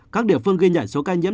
các địa phương ghi nhận số ca nhiễm